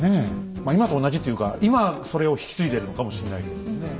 まあ今と同じっていうか今それを引き継いでるのかもしれないけどもね。